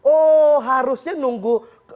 oh harusnya nunggu